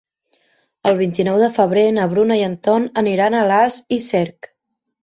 El vint-i-nou de febrer na Bruna i en Ton aniran a Alàs i Cerc.